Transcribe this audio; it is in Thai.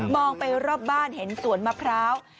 องไปรอบบ้านเห็นสวนมะพร้าว